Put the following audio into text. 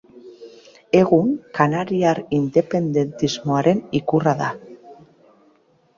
Egun, kanariar independentismoaren ikurra da.